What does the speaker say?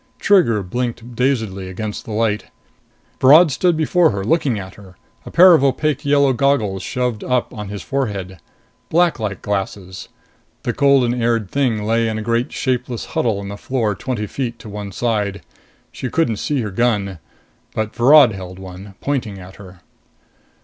Trigger blinked dazedly against the light. Virod stood before her, looking at her, a pair of opaque yellow goggles shoved up on his forehead. Black light glasses. The golden haired thing lay in a great shapeless huddle on the floor twenty feet to one side. She couldn't see her gun. But Virod held one, pointing at her.